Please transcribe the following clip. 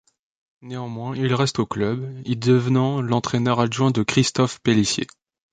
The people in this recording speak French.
Néanmoins, il reste au club, y devenant l'entraîneur adjoint de Christophe Pélissier.